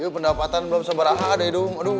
yuh pendapatan belum sebarahan deh dong aduh